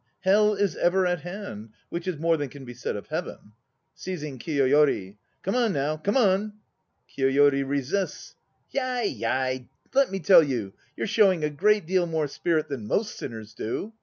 "Hell is ever at hand," * which is more than Can be said of Heaven. (Seizing KIYOYORI.) Come on, now, come on! (KIYOYORI resists.) Yai, yai! Let me tell you, you're showing a great Deal more spirit than most sinners do.